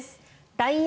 ＬＩＮＥ